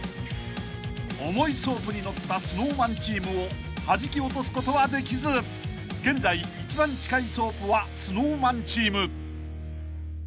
［重いソープに乗ったＳｎｏｗＭａｎチームをはじき落とすことはできず現在一番近いソープはＳｎｏｗＭａｎチーム］